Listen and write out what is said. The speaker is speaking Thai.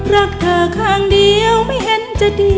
รักเธอข้างเดียวไม่เห็นจะดี